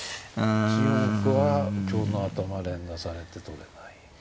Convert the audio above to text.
１四歩は香の頭連打されて取れない。